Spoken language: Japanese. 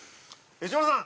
吉村さん。